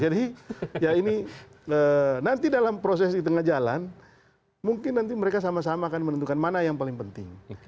jadi ya ini nanti dalam proses di tengah jalan mungkin nanti mereka sama sama akan menentukan mana yang paling penting